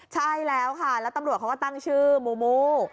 ใช่แล้วค่ะแล้วตำรวจเขาก็ตั้งชื่อมูมู